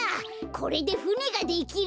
これでふねができる。